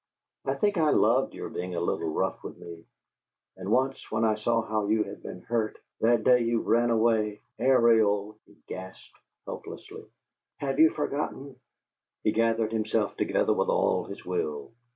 I think I loved your being a little rough with me. And once, when I saw how you had been hurt, that day you ran away " "Ariel!" he gasped, helplessly. "Have you forgotten?" He gathered himself together with all his will.